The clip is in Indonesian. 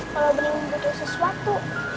kalo bening butuh sesuatu